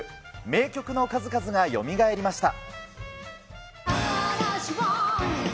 名曲の数々がよみがえりました。